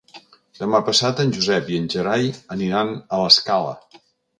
Demà passat en Josep i en Gerai aniran a l'Escala.